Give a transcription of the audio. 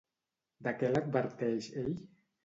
De què l'adverteix, ell?